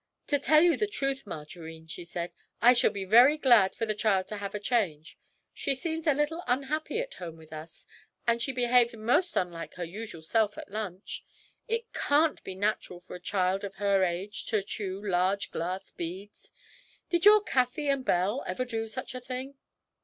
'To tell you the truth, Margarine,' she said, 'I shall be very glad for the child to have a change. She seems a little unhappy at home with us, and she behaved most unlike her usual self at lunch; it can't be natural for a child of her age to chew large glass beads. Did your Cathie and Belle ever do such a thing?'